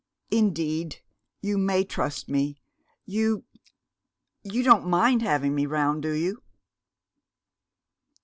Indeed, you may trust me! You you don't mind having me round, do you?"